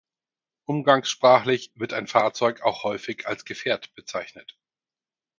Umgangssprachlich wird ein Fahrzeug auch häufig als Gefährt bezeichnet.